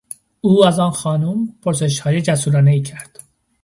او از آن خانم پرسشهای جسورانهای کرد.